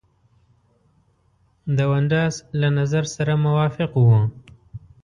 دونډاس له نظر سره موافق وو.